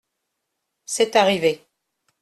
C’est arrivé.